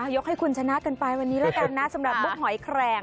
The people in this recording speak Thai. ยกให้คุณชนะกันไปวันนี้แล้วกันนะสำหรับมุกหอยแคลง